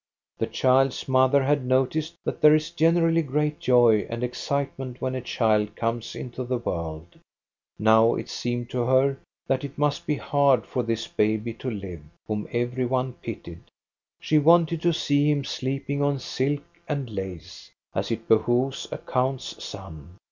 The child's mother had noticed that there is gen erally great joy and excitement when a child comes into the world. Now it seemed to her that it must THE CHILD'S MOTHER 389 be hard for this baby to live, whom every one pitied. She wanted to see him sleeping on silk and lace, as it behoves a count's son.